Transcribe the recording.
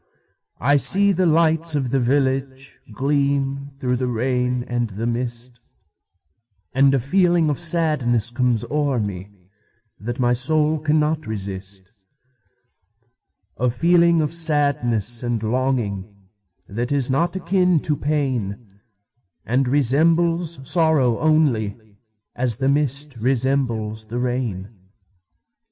I see the lights of the villageGleam through the rain and the mist, And a feeling of sadness comes o'er meThat my soul cannot resist:A feeling of sadness and longing, That is not akin to pain, And resembles sorrow onlyAs the mist resembles the rain.